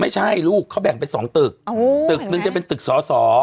ไม่ใช่ลูกเขาแบ่งเป็น๒ตึกตึกหนึ่งจะเป็นตึกสอสอ